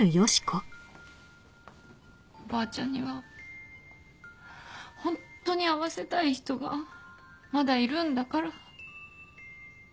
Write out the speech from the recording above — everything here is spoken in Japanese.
おばあちゃんにはホントに会わせたい人がまだいるんだから。